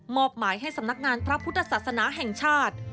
อบหมายให้สำนักงานพระพุทธศาสนาแห่งชาติ